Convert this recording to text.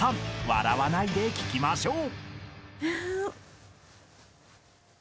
［笑わないで聞きましょう］